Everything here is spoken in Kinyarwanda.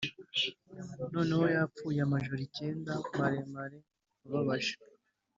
noneho yapfuye amajoro icyenda maremare ababaje;